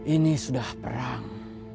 ini sudah perang